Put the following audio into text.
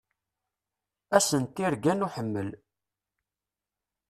Ass-n n tirga n uḥemmel.